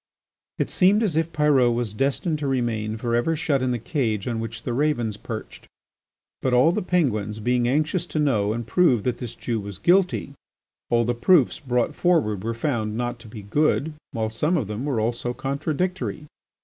It seemed as if Pyrot was destined to remain for ever shut in the cage on which the ravens perched. But all the Penguins being anxious to know and prove that this Jew was guilty, all the proofs brought forward were found not to be good, while some of them were also contradictory.